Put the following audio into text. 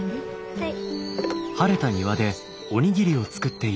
はい。